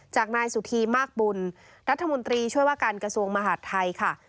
จากนายสุธีมากบุญรัฐมนตรีช่วยว่าการกระทรวงมหาดไทยค่ะ